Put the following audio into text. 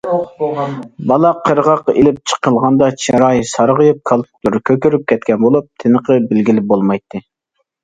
بالا قىرغاققا ئېلىپ چىقىلغاندا چىرايى سارغىيىپ، كالپۇكلىرى كۆكىرىپ كەتكەن بولۇپ، تىنىقىنى بىلگىلى بولمايتتى.